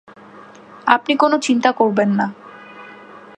আপনি কোনো রকম চিন্তা করবেন না।